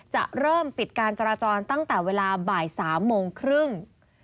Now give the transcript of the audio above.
จะเริ่มปิดการจราจรตั้งแต่เวลาบ่าย๓โมงครึ่ง